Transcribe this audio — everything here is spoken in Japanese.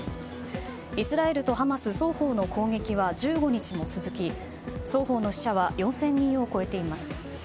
イスラエルとハマス双方の攻撃は１５日も続き、双方の死者は４０００人を超えています。